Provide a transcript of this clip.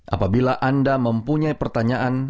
apabila anda mempunyai pengetahuan